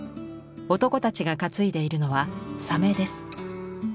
男たちが担いでいるのはサメです。